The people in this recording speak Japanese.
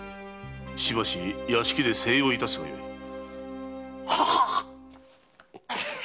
しばし屋敷で静養いたすがよい。ははっ！